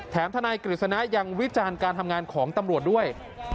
ทนายกฤษณะยังวิจารณ์การทำงานของตำรวจด้วย